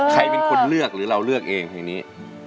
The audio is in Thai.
ใครเป็นคนเลือกหรือเราเลือกเองเพลงนี้